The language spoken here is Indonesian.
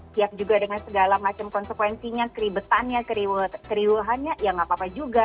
siap juga dengan segala macam konsekuensinya keribetannya keriuhannya ya nggak apa apa juga